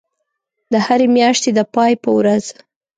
د هری میاشتی د پای په ورځ